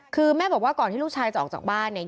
คือแม่บอกว่าก่อนที่ลูกชายจะออกจากบ้านเนี่ย